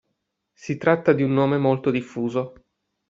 Si tratta di un nome molto diffuso.